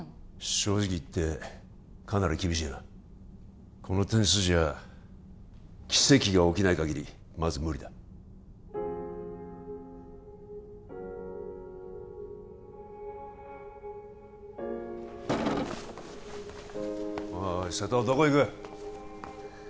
正直言ってかなり厳しいなこの点数じゃ奇跡が起きないかぎりまず無理だおいおい瀬戸どこ行く？